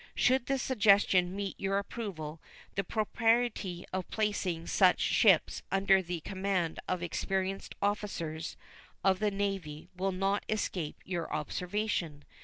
Should this suggestion meet your approval, the propriety of placing such ships under the command of experienced officers of the Navy will not escape your observation.